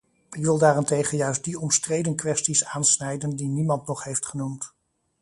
Ik wil daarentegen juist die omstreden kwesties aansnijden die niemand nog heeft genoemd.